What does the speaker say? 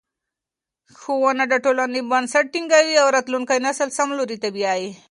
ښوونه د ټولنې بنسټ ټینګوي او راتلونکی نسل سم لوري ته بیايي.